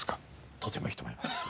とてもいいと思います。